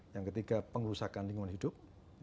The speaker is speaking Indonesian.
yang ketiga pengusaha kandungan hidup